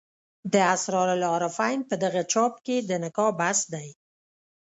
د اسرار العارفین په دغه چاپ کې د نکاح بحث دی.